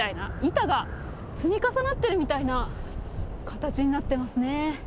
板が積み重なってるみたいな形になってますね。